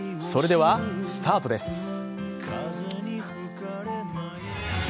それではスタートです。